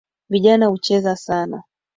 Vijana hucheza sana